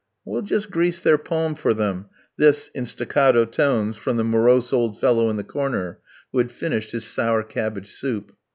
"We'll just grease their palm for them," this, in staccato tones from the morose old fellow in the corner who had finished his sour cabbage soup.